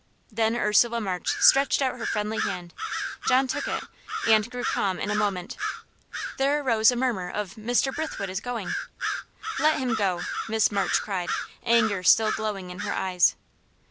Then Ursula March stretched out her friendly hand. John took it, and grew calm in a moment. There arose a murmur of "Mr. Brithwood is going." "Let him go!" Miss March cried, anger still glowing in her eyes.